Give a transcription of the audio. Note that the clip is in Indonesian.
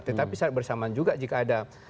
tetapi saat bersamaan juga jika ada